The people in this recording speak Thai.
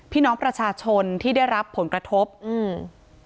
พี่น้องประชาชนที่ได้รับผลกระทบอืม